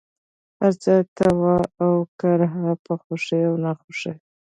هرڅه، طوعا اوكرها ، په خوښۍ او ناخوښۍ،